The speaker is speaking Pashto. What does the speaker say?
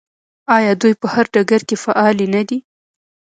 آیا دوی په هر ډګر کې فعالې نه دي؟